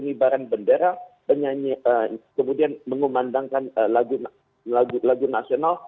mereka akan mengambil pengibaran bendera kemudian mengumandangkan lagu nasional